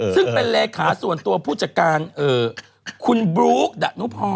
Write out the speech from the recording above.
ซึ่งเป็นเลขาส่วนตัวผู้จัดการคุณบลุ๊กดะนุพร